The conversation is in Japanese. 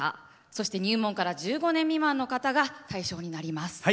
そして入門から１５年未満の方が対象になります。